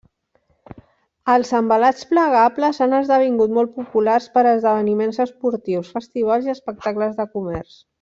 Els envelats plegables han esdevingut molt populars per esdeveniments esportius, festivals i espectacles de comerç.